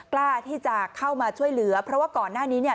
กล้าที่จะเข้ามาช่วยเหลือเพราะว่าก่อนหน้านี้เนี่ย